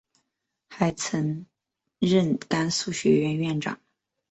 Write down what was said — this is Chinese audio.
还曾任甘肃学院院长。